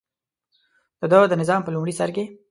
دده د نظام په لومړي سر کې.